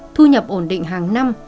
thu nhập ổn định hàng năm